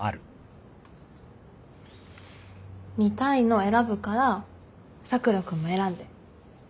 見たいの選ぶから佐倉君も選んで。